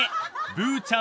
ブーちゃん